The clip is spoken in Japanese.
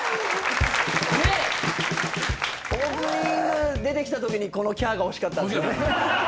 オープニング出てきたときにこのキャーが欲しかった。